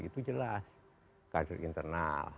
itu jelas kader internal